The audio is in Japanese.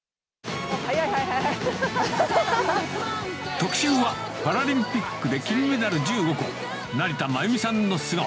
特集は、パラリンピックで金メダル１５個、成田真由美さんの素顔。